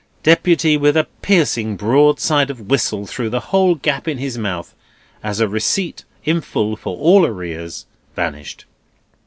Deputy, with a piercing broadside of whistle through the whole gap in his mouth, as a receipt in full for all arrears, vanished.